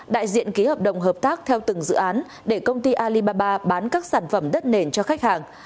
đại diện ký hợp đồng hợp tác theo từng dự án để công ty alibaba bán các sản phẩm đất nền cho khách hàng